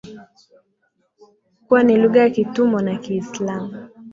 kuwa ni lugha ya kitumwa na kiislamu